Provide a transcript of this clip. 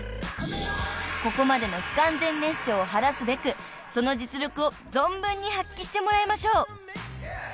［ここまでの不完全燃焼を晴らすべくその実力を存分に発揮してもらいましょう］